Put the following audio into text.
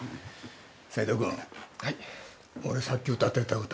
斉藤君俺さっき歌ってた歌